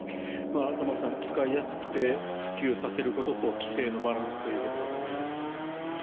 玉川さん、使いやすくて普及させることと規制のバランスということだと思いますが。